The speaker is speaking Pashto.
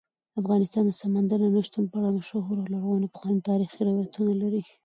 افغانستان د سمندر نه شتون په اړه مشهور او لرغوني پخواني تاریخی روایتونه لري.